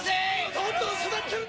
どんどん育ってるんだ！